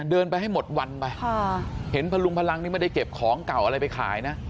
เดินไปให้หมดวันไปเห็นพลุงพลังนี่ไม่ได้เก็บของเก่าอะไรไปขายนะ